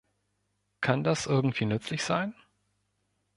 Kann das irgendwie nützlich sein?